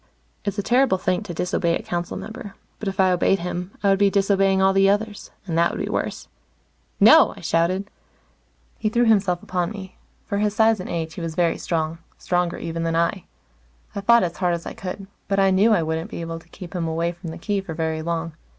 It's a terrible thing to disobey a council member. But if I obeyed him, I would be disobeying all the others. And that would be worse. "No!" I shouted. He threw himself upon me. For his size and age, he was very strong stronger, even, than I. I fought as hard as I could, but I knew I wouldn't be able to keep him away from the Key for very long.